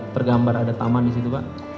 tergambar ada taman disitu pak